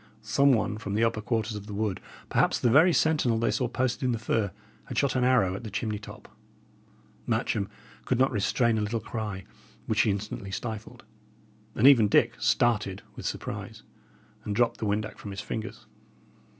Some one from the upper quarters of the wood, perhaps the very sentinel they saw posted in the fir, had shot an arrow at the chimney top. Matcham could not restrain a little cry, which he instantly stifled, and even Dick started with surprise, and dropped the windac from his fingers.